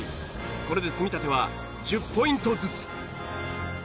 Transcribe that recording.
これで積み立ては１０ポイントずつ。